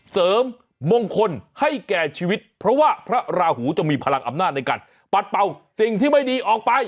เสริมมงคลให้แก่ชีวิตเพราะว่าพระราหูจะมีพลังอำนาจในการปัดเป่าสิ่งที่ไม่ดีออกไป